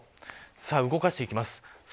動かしていきます。